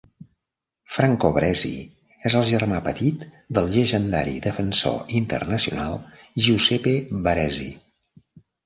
Franco Baresi és el germà petit del llegendari defensor internacional Giuseppe Baresi.